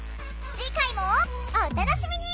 次回もお楽しみに！